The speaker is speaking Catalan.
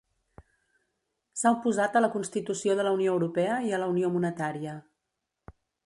S'ha oposat a la constitució de la Unió Europea i a la unió monetària.